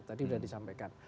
tadi udah disampaikan